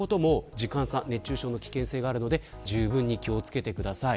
こういったことも時間差熱中症の危険性があるので、じゅうぶんに気を付けてください。